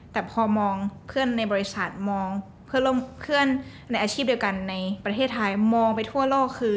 แต่พอมองเพื่อนในบริษัทมองเพื่อนในอาชีพเดียวกันในประเทศไทยมองไปทั่วโลกคือ